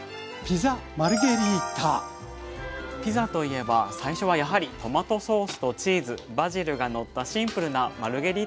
ピザといえば最初はやはりトマトソースとチーズバジルがのったシンプルなマルゲリータですよね。